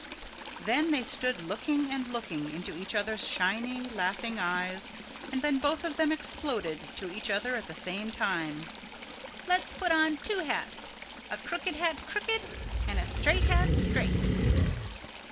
Then they stood looking and looking into each other's shiny laughing eyes and then both of them exploded to each other at the same time, "Let's put on two hats, a crooked hat crooked and a straight hat straight."